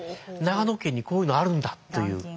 長野県にこういうのあるんだという。